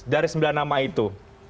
dari sembilan nama itu